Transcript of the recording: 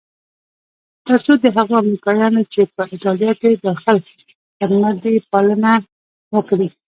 تر څو د هغو امریکایانو چې په ایټالیا کې داخل خدمت دي پالنه وکړي.